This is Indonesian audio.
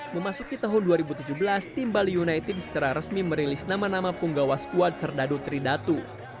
memasuki tahun dua ribu tujuh belas tim bali united secara resmi merilis nama nama punggawa skuad serdadu tridatu